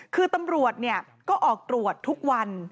คือตำรวจก็ออกตรวจทุกวัน